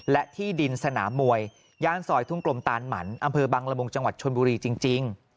และที่ดินสนามมวยย่านซอยทุ่งกลมตานหมันอำเภอบังละมุงจังหวัดชนบุรีจริง